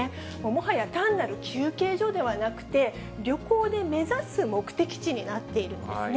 もはや単なる休憩所ではなくて、旅行で目指す目的地になっているんですね。